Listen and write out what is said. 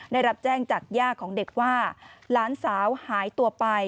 ได้รับแจ้งจากย่าของเด็กว่าหลานสาวหายตัวไป